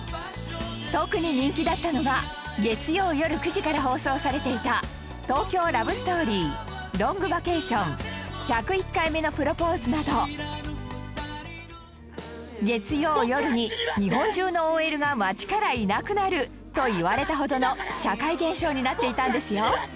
特に人気だったのが月曜よる９時から放送されていた『東京ラブストーリー』『ロングバケーション』『１０１回目のプロポーズ』などと言われたほどの社会現象になっていたんですよ